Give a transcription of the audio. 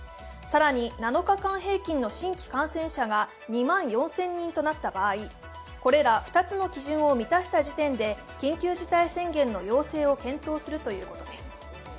更に７日間平均の新規感染者が２万４０００人となった場合、これら２つの基準を満たした時点で緊急事態宣言の要請を検討するということです。